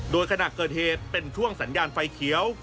โดยขณะเกิดเหตุเป็นช่วงสัญญาณไฟเขียว